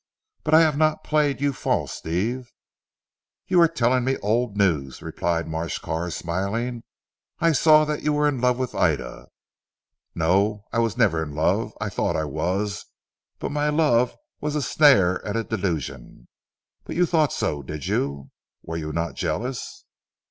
But I have not played you false Steve." "You are telling me old news," replied Marsh Carr smiling. "I saw that you were in love with Ida." "No. I was never in love. I thought I was, but my love was a snare and a delusion. But you thought so did you? Were you not jealous?"